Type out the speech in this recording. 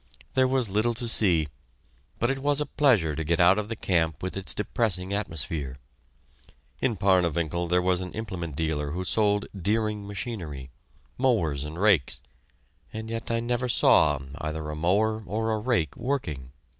There was little to see, but it was a pleasure to get out of the camp with its depressing atmosphere. In Parnewinkel there was an implement dealer who sold "Deering" machinery, mowers and rakes, and yet I never saw either a mower or a rake working.